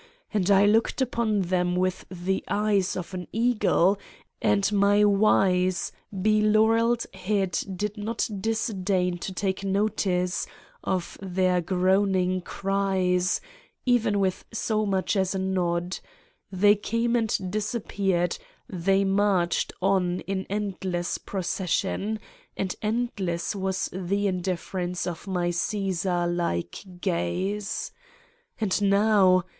And I looked upon them with the eyes of an eagle and my wise, belaureled head did not disdain to take notice of their groaning cries even with so much as a nod: they came and disappeared, they marched on in endless procession and endless was the indifference of my Caesar like gaze. And now